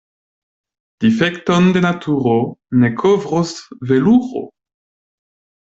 Difekton de naturo ne kovros veluro.